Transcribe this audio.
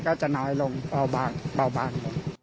ก็จะน้อยลงเบาบ้าง